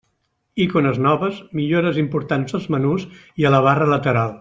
Icones noves, millores importants als menús i a la barra lateral.